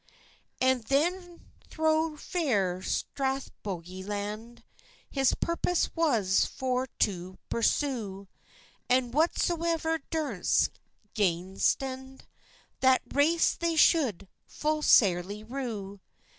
And then throw fair Strathbogie land His purpose was for to pursew, And whatsoevir durst gainstand, That race they should full sairly rew.